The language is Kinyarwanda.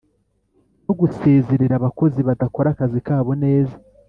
no gusezerera abakozi badakora akazi kabo neza